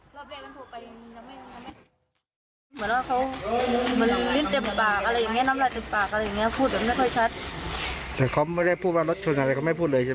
เหมือนว่าเขาลิ้นเต็มปากอะไรอย่างเงี้ยน้ำลายเต็มปากอะไรอย่างเงี้ยพูดไม่ค่อยชัด